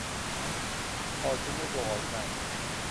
خاکهی زغالسنگ